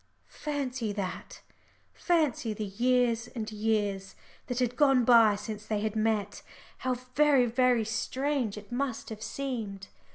Fancy that; fancy the years and years that had gone by since they had met! How very, very strange it must have seemed.